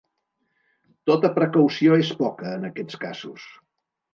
Tota precaució és poca, en aquests casos.